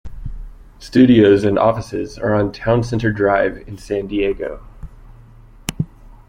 Studios and offices are on Towne Center Drive in San Diego.